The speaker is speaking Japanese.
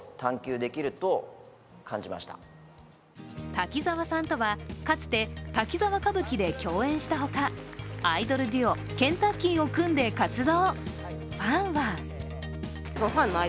滝沢さんとはかつて「滝沢歌舞伎」で共演したほかアイドルデュオ、ＫＥＮ☆Ｔａｃｋｅｙを組んで活動。